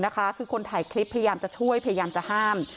คือคนถ่ายคลิปพยายามจะช่วยพยายามจะห้าม